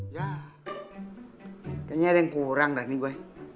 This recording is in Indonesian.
ya kayaknya ada yang kurang dari gue